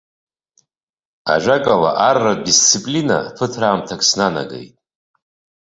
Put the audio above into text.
Ажәакала, арратә дисциплина ԥытраамҭак снанагеит.